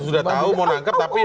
sudah tahu mau nangkep tapi